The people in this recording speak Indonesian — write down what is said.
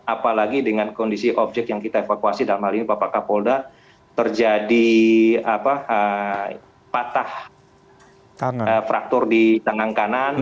apalagi dengan kondisi objek yang kita evakuasi dalam hal ini bapak kapolda terjadi patah fraktur di tengah kanan